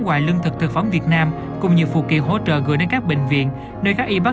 ngoài lương thực thực phẩm việt nam cùng nhiều phụ kiện hỗ trợ gửi đến các bệnh viện nơi các y bác